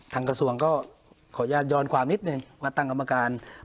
กระทรวงก็ขออนุญาตย้อนความนิดนึงว่าตั้งกรรมการ